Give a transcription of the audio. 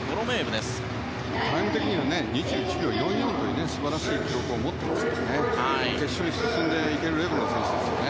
タイム的には２１秒４４という素晴らしい記録を持っていますから決勝に進んでいけるレベルの選手です。